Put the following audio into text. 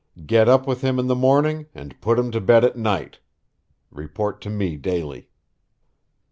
Get up with him in the morning and put him to bed at night. Report to me daily."